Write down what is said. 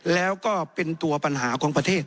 แล้วก็เป็นตัวปัญหาของประเทศ